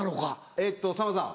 えっとさんまさん